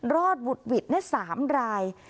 รอดวุดหวิดใน๓ราย